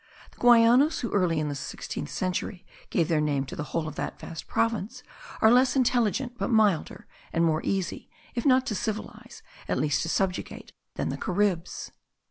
The Guayanos, who early in the sixteenth century gave their name to the whole of that vast province, are less intelligent but milder; and more easy, if not to civilize, at least to subjugate, than the Caribs.